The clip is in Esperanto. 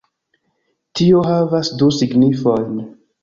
Tio havas du signifojn